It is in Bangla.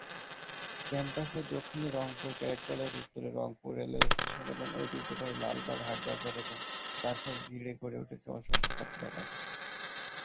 ক্যাম্পাসের দক্ষিণে রংপুর ক্যাডেট কলেজ, উত্তরে রংপুর রেল স্টেশন ও ঐতিহ্যবাহী লালবাগ হাট-বাজার এবং চারপাশ ঘিরে গড়ে উঠেছে অসংখ্য ছাত্রাবাস।